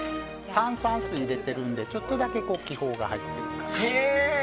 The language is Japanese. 炭酸水を入れているのでちょっとだけ気泡が入っている感じです。